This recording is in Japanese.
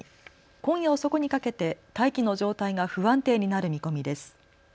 今夜遅くにかけて大気の状態が不安定になる見込みです。